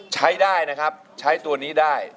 ใช้ได้นะครับใช้ตัวนี้ได้